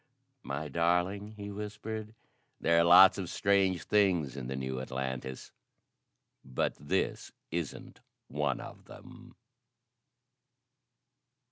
"My darling," he whispered, "there are lots of strange things in the new Atlantis but this isn't one of them."